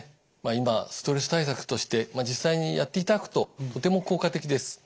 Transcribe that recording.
今ストレス対策として実際にやっていただくととても効果的です。